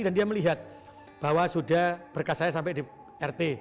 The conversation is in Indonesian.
dan dia melihat bahwa sudah berkas saya sampai di rt